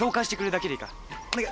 お願い！